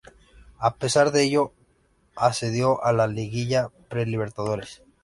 A pesar de ello, accedió a la Liguilla Pre Libertadores.